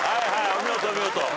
お見事お見事。